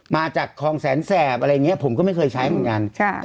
มาจากคลองแสนแสบอะไรอย่างนี้ผมก็ไม่เคยใช้เหมือนกัน